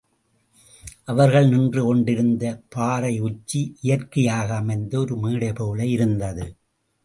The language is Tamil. அவர்கள் நின்று கொண்டிருந்த பாறையுச்சி, இயற்கையாக அமைந்த ஒரு மேடைபோல் இருந்தது.